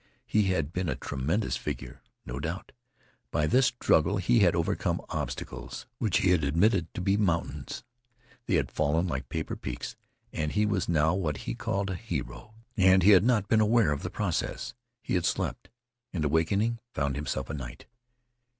He had been a tremendous figure, no doubt. By this struggle he had overcome obstacles which he had admitted to be mountains. They had fallen like paper peaks, and he was now what he called a hero. And he had not been aware of the process. He had slept and, awakening, found himself a knight.